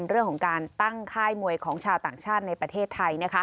เรื่องของการตั้งค่ายมวยของชาวต่างชาติในประเทศไทย